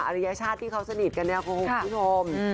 อริญญาชาติที่เขาสนิทกันโครง